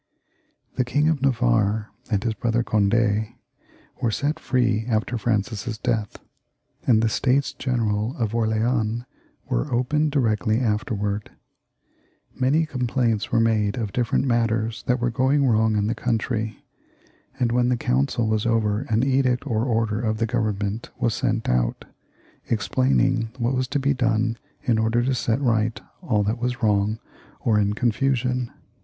The King of Navarre and his brother Cond^ were set free after Francis's death, and the States General of Orleans were opened directly afterwards. Many complaints were made of different matters that were going wrong in the 272 CHARLES IX. [ch. country, and when the council was over, an edict or order of the Government was sent out, explaining what was to be done in order to set right all that was wrong or in con fusion.